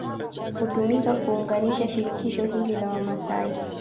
Htumika kuunganisha shirikisho hili la Wamaasai